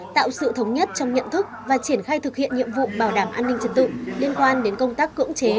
tạo sự thống nhất trong nhận thức và triển khai thực hiện nhiệm vụ bảo đảm an ninh trật tự liên quan đến công tác cưỡng chế